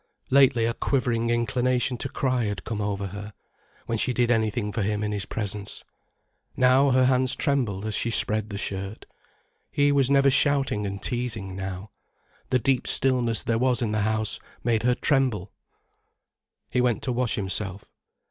Lately, a quivering inclination to cry had come over her, when she did anything for him in his presence. Now her hands trembled as she spread the shirt. He was never shouting and teasing now. The deep stillness there was in the house made her tremble. He went to wash himself.